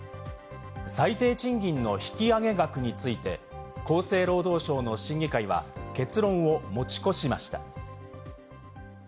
最低賃金の引き上げ額について、厚生労働省の審議会は結論を持ち越しました。